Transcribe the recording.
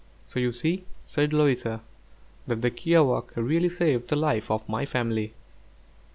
"So you see," said Louisa, "that the kiawākq' really saved the life of my family."